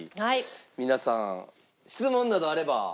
皆さん質問などあれば。